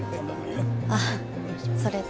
あっそれと。